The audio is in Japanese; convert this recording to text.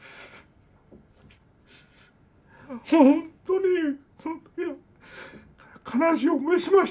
本当に本当に悲しい思いしました。